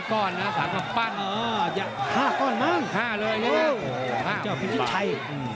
๓ก้อนนะ๓คำปั้น๕ก้อนบ้าง๕เลยนะเจ้าพี่ชิดชัย